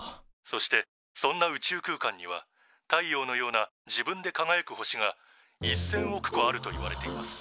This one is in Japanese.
「そしてそんな宇宙空間には太陽のような自分でかがやく星が１，０００億個あるといわれています」。